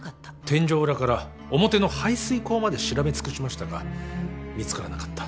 天井裏から表の排水溝まで調べ尽くしましたが見つからなかった。